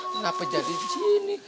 kenapa jadi disini